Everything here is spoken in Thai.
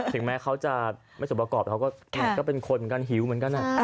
ถึงแม้เขาจะไม่สมประกอบเขาก็เป็นคนเหมือนกันหิวเหมือนกัน